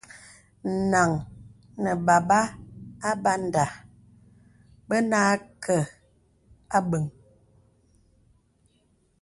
Nang nə̀ bābà Abanda bə̀ nâ kə̀ abə̀ŋ.